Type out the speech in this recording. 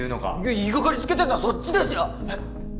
言いがかりつけてるのはそっちでしょ！